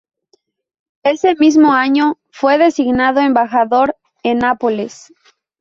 Ese mismo año fue designado embajador en Nápoles.